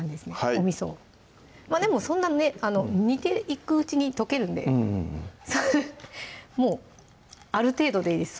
おみそをでもそんなね煮ていくうちに溶けるんでもうある程度でいいです